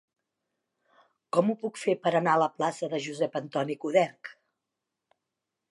Com ho puc fer per anar a la plaça de Josep Antoni Coderch?